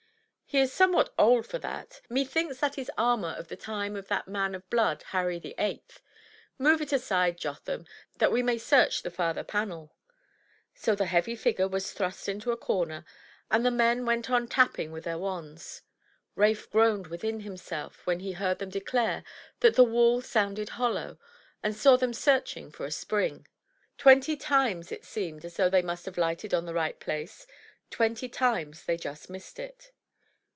He is somewhat old for that. Methinks that is armor of the time of that man of blood, Harry the Eighth. Move it aside Jotham, that we may search the farther panel.*' So the heavy figure was thrust into a comer, and the men went on tapping with their wands. Rafe groaned within himself when he heard them declare that the wall sounded hollow, and saw them searching for a spring. Twenty times it seemed as though they must have lighted on the right place. Twenty times they just missed it.